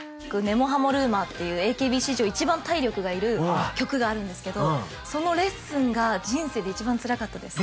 『根も葉もＲｕｍｏｒ』っていうＡＫＢ史上一番体力がいる曲があるんですけどそのレッスンが人生で一番つらかった。